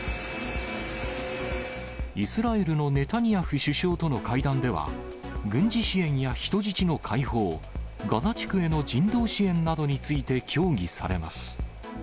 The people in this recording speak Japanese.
イスラエルのネタニヤフ首相との会談では、軍事支援や人質の解放、ガザ地区への人道支援などについて協議されます。